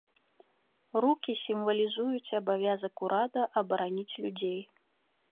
Рукі сімвалізуюць абавязак урада абараніць людзей.